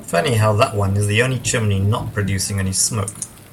Funny how that one is the only chimney not producing any smoke.